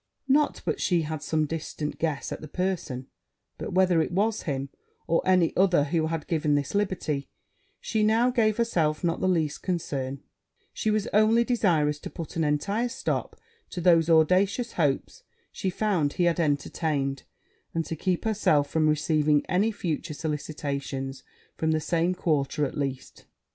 Not but she had some distant guess at the person; but whether it was him, or any other, who had taken this liberty, she now gave herself not the least concern: she was only desirous to put an entire stop to those audacious hopes she found he had entertained, and to keep herself from receiving any future solicitations, from the same quarter at least.